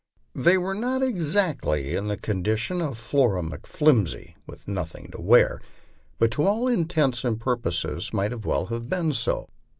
They were not exactly in the condition of Flora McFliru sy with nothing to wear, but to all intents and purposes might as well have been so.